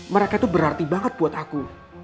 mereka itu berarti banget buat aku